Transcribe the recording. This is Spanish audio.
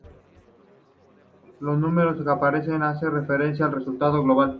Los números que aparecen hacen referencia al resultado global.